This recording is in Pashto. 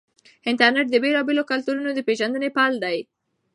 انټرنیټ د بېلابېلو کلتورونو د پیژندنې پل دی.